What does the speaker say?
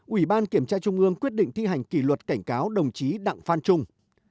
ủy ban kiểm tra trung ương quyết định thi hành kỷ luật cảnh cáo đồng chí đặng phan trung